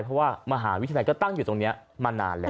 เพราะว่ามหาวิทยาลัยก็ตั้งอยู่ตรงนี้มานานแล้ว